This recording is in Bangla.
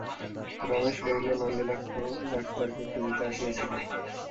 রমেশ কহিল, নলিনাক্ষ ডাক্তারকে খুঁজিতে আসিয়াছিলাম।